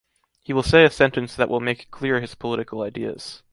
He will say a sentence that will make clear his political ideas.